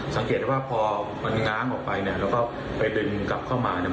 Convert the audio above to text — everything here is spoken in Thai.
สังเกตว่าพอมันง้างออกไปเนี่ยแล้วก็ไปดึงกลับเข้ามาเนี่ย